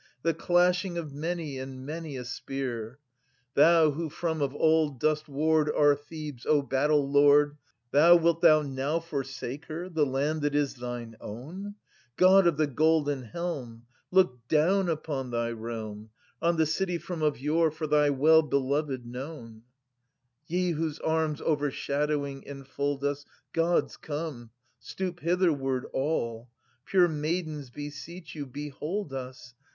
— the clashing of many and many a spear ! Thou, who from of old dost ward our Thebes, O Battle lord, Thou, wilt thou now forsake her, the land that is thine own ? God of the Golden Helm, look down upon thy realm. On the city from of yore for thy well belov6d known ! {Sir. I.) Ye whose arms overshadowing enfold us, Gods, come, stoop hitherward all ! no Pure maidens beseech you — behold us.